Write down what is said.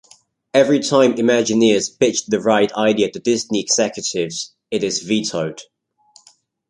Every time Imagineers pitch the ride idea to Disney executives, it is vetoed.